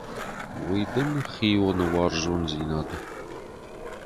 Уый дын хионы уарзондзинад.